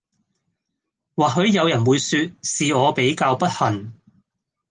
或許人有會說是我比較不幸